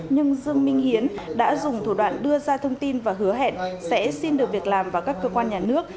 nhưng dương minh hiến đã dùng thủ đoạn đưa ra thông tin và hứa hẹn sẽ xin được việc làm vào các cơ quan nhà nước